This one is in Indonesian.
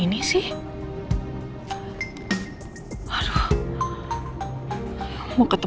nggak ada apa apa